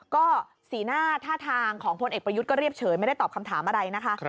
ก็สีหน้าท่าทางของพลเอกประยุทธ์ก็เรียบเฉยไม่ได้ตอบคำถามอะไรนะคะ